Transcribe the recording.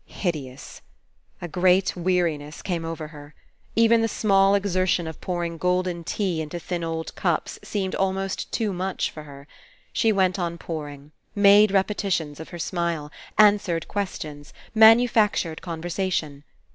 ...'* Hideous. A great weariness came over her. Even the small exertion of pouring golden tea into thin old cups seemed almost too much for her. She went on pouring. Made repetitions of her smile. Answered questions. Manufac tured conversation.